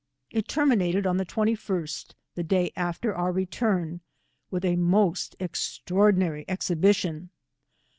It termiuated oii the 2l8t, the day after our return, with a most ex traordinary exibition.